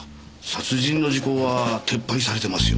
殺人の時効は撤廃されてますよね。